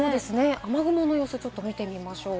雨雲の様子、見てみます。